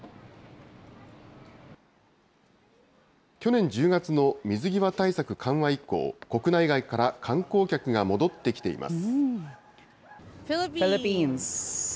去年１０月の水際対策緩和以降、国内外から観光客が戻ってきています。